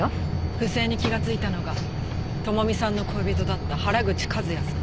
不正に気がついたのが朋美さんの恋人だった原口和也さん。